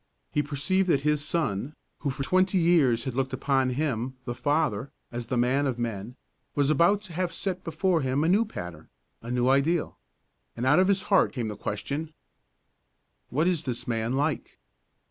He perceived that his son, who for twenty years had looked upon him, the father, as the man of men, was about to have set before him a new pattern, a new ideal. And out of his heart came the question: "What is this man like?"